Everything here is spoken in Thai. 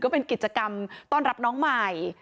เป็นกิจกรรมต้อนรับน้องใหม่